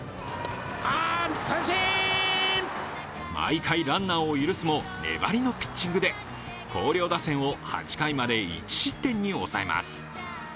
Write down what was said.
毎回ランナーを許すも粘りのピッチングで広陵打線を８回まで１失点に抑えます。